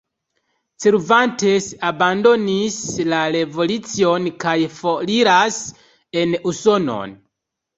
Cervantes abandonis la revolucion kaj foriras en Usonon.